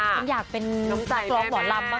ฉันอยากเป็นจักรกหมอลำบ้างนะ